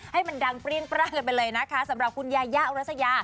ให้มันดังเปรี้ยงปร่างกันไปเลยนะคะสำหรับคุณยายาอุรัสยา